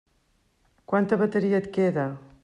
Quanta bateria et queda?